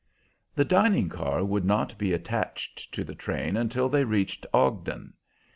The dining car would not be attached to the train until they reached Ogden.